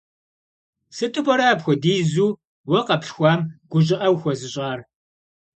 Сыту пӀэрэ апхуэдизу уэ къэплъхуам гу щӀыӀэ ухуэзыщӀар?